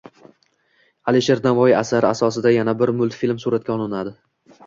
Alisher Navoiy asari asosida yana bir multfilm suratga olinadi